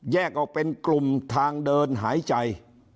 ออกเป็นกลุ่มทางเดินหายใจ